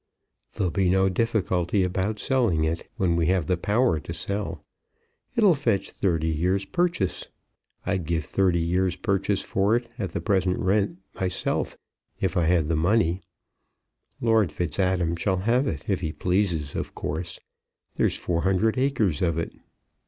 "There'll be no difficulty about selling it, when we have the power to sell. It'll fetch thirty years' purchase. I'd give thirty years' purchase for it, at the present rent myself, if I had the money. Lord Fitzadam shall have it, if he pleases, of course. There's four hundred acres of it."